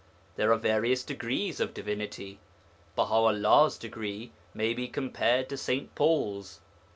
There are various degrees of divinity. Baha 'ullah's degree maybe compared to St. Paul's.